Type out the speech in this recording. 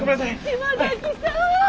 島崎さん！